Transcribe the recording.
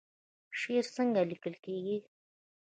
شعر څنګه لیکل کیږي؟